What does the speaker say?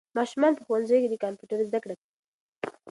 ماشومان په ښوونځیو کې د کمپیوټر زده کړه کوي.